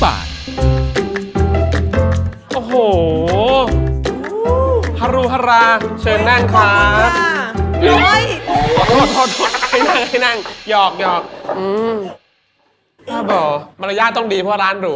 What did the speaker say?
น่าบอกมาลัยยากต้องดีเพราะร้านหรู